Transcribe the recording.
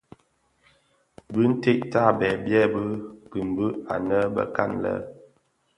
Bintèd tabèè byèbi kimbi anë bekan lè.